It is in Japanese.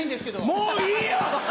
もういいよ！